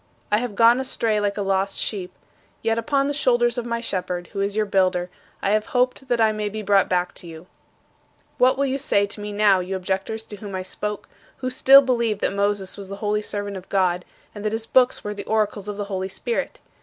"I have gone astray like a lost sheep; yet upon the shoulders of my Shepherd, who is your builder, I have hoped that I may be brought back to you." 22. "What will you say to me now, you objectors to whom I spoke, who still believe that Moses was the holy servant of God, and that his books were the oracles of the Holy Spirit?